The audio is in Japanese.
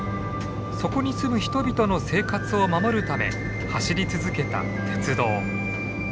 そこに住む人々の生活を守るため走り続けた鉄道。